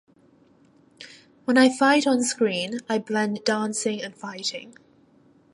When I fight on screen, I blend dancing and fighting.